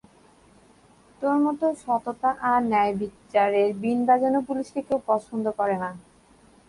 তোর মতো সততা আর ন্যায়বিচারের বিন বজানো পুলিশকে, কেউ পছন্দ করে না।